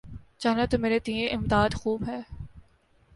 چاہنا تو مرے تئیں امداد خوب ہے۔